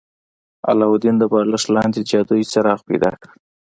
علاوالدین د بالښت لاندې جادويي څراغ پیدا کړ.